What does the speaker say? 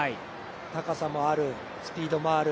高さもある、スピードもある。